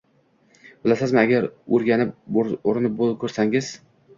Bilasizmi, agar urinib ko'rsangiz